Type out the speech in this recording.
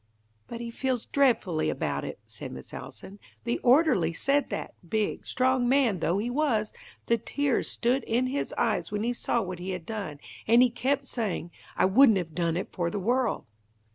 "But he feels dreadfully about it," said Miss Allison. "The orderly said that, big, strong man though he was, the tears stood in his eyes when he saw what he had done, and he kept saying, 'I wouldn't have done it for the world.'"